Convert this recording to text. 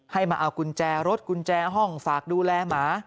ให้มาเอากุญแจรถกุญแจห้องฝากดูแลหมา